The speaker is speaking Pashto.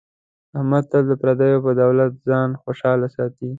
احمد تل د پردیو په دولت ځان خوشحاله ساتي.